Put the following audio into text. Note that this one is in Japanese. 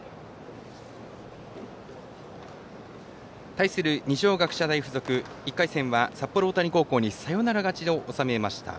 対する二松学舎大付属１回戦は、札幌大谷高校にサヨナラ勝ちを収めました。